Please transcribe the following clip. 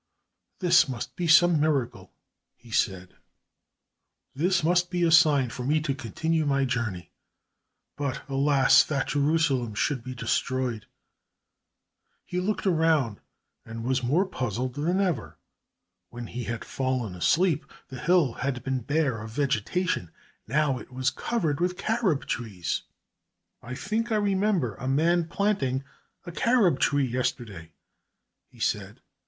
"This must be some miracle," he said. "This must be a sign for me to continue my journey. But, alas, that Jerusalem should be destroyed!" He looked around and was more puzzled than ever. When he had fallen asleep the hill had been bare of vegetation. Now it was covered with carob trees. "I think I remember a man planting a carob tree yesterday," he said.